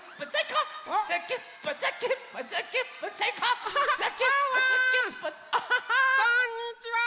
こんにちは。